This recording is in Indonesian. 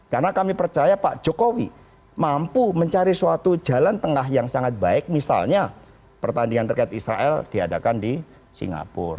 karena kami percaya pak jokowi mampu mencari suatu jalan tengah yang sangat baik misalnya pertandingan terkait israel diadakan di singapura